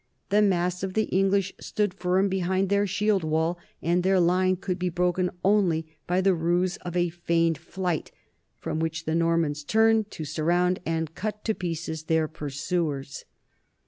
The mass of the English stood firm behind their shield wall and their line could be broken only by the ruse of a feigned flight, from which the Nor mans turned to surround and cut to pieces their pur suers.